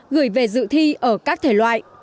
gửi về dự thi ở các thể loại